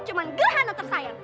itu cuma gerhana tersayang